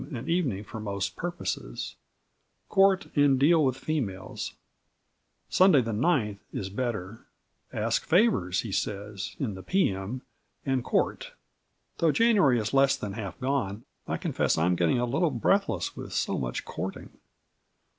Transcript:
and evening for most purposes. Court and deal with females." Sunday, the 9th, is better. "Ask favours," he says, "in the P.M., and court." Though January is less than half gone, I confess I am getting a little breathless with so much courting.